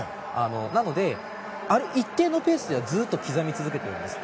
なので、ある一定のペースではずっと刻み続けているんです。